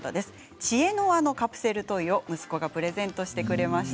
知恵の輪のカプセルトイを息子がプレゼントしてくれました。